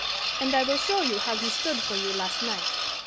And I will show you how he stood for you last night.